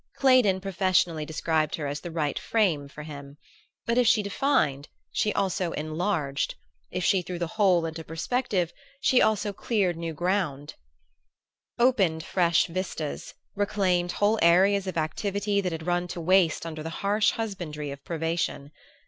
Claydon professionally described her as the right frame for him; but if she defined she also enlarged, if she threw the whole into perspective she also cleared new ground, opened fresh vistas, reclaimed whole areas of activity that had run to waste under the harsh husbandry of privation.